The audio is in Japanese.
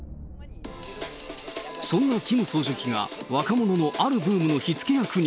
そんなキム総書記が、若者のあるブームの火付け役に。